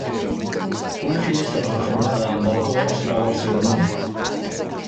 Una finestra reformada amb balcó es troba al seu damunt.